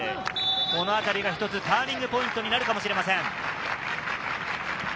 このあたりが一つターニングポイントになるかもしれません。